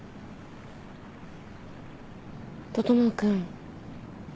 整君。